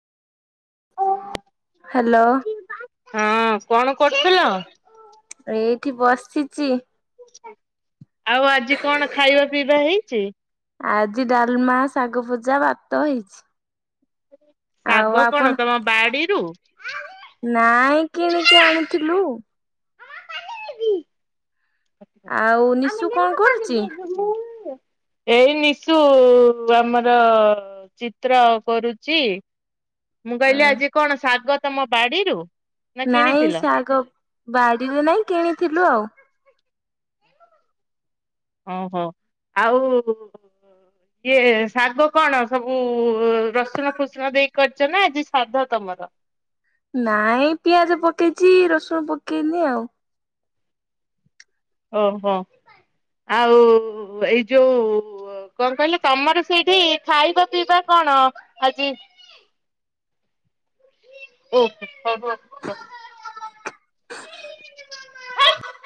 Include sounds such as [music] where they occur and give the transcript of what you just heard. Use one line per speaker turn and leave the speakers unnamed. Hello
ହଁ କଣ କରୁଥିଲ?
ଏଇଠି ବସିଚି।
ଆଉ ଆଜି କଣ ଖାଇବା ପିଇବା ହେଇଚି?
ଆଜି ଡାଲମା ଶାଗ ଭୁଜା ଭାତ ହେଇଛି। ଆଉ
ଶାଗ କଣ
ଆପଣ
ତମ ବାଡିରୁ?
ନାଇଁ କିଣିକି ଆଣିଥିଲୁ। ଆଉ ନିଶୁ
ଆମେ
କଣ କରୁଛି?
[unintelligible] ଏଇ ନିଶୁ ଆମର ଚିତ୍ର କରୁଚି। ମୁଁ କହିଲି ଆଜି କଣ ଶାଗ ତମ ବାଡିରୁ? ନା
ନାଇଁ
କିଣିଥିଲ?
ଶାଗ ବାଡିରେ ନାଇଁ କିଣିଥିଲୁ ଆଉ।
ଓହୋ ଆଉ? ଇଏ ଶାଗ କଣ ସବୁ ରସୁଣ ଫସୁଣ ଦେଇ କରିଚ ନା ଆଜି ଶ୍ରାଦ୍ଧ ତମର?
ନାଇଁ ପିଆଜ ପକେଇଚି ରସୁଣ ପକେଇନି ଆଉ।
ଓହୋ ଆଉ ଏଇ ଯୋଉ ଓ କଣ କହିଲ ତମର ସେଇଠି ଖାଇବା ପିଇବା କଣ ଆଜି? ଓ ହୋ ହ ହ ର